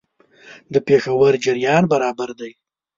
د پېښو جریان برابر دی.